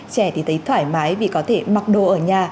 trẻ thì thấy thoải mái vì có thể mặc đồ ở nhà